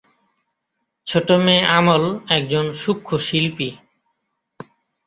ছোট মেয়ে "আমল" একজন সূক্ষ্ম শিল্পী।